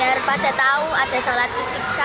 biar pada tahu ada sholat istiqsa